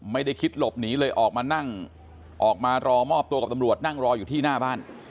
ไม่ได้คิดหลบหนีเลยออกมานั่งออกมารอมอบตัวกับตำรวจนั่งรออยู่ที่หน้าบ้าน